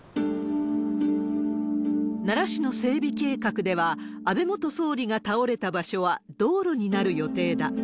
奈良市の整備計画では、安倍元総理が倒れた場所は道路になる予定だ。